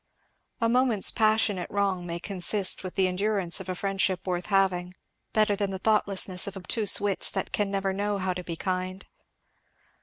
A moment's passionate wrong may consist with the endurance of a friendship worth having, better than the thoughtlessness of obtuse wits that can never know how to be kind.